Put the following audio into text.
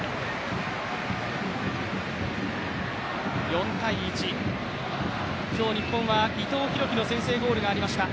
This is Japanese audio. ４−１、今日、日本は伊藤洋輝の先制ゴールがありました。